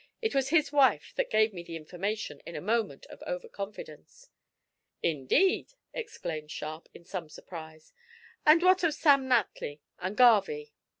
It was his wife that gave me the information in a moment of over confidence." "Indeed!" exclaimed Sharp, in some surprise; "and what of Sam Natly and Garvie?"